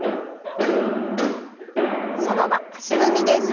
その場足踏みです。